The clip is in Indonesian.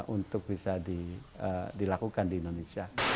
untuk bisa dilakukan di indonesia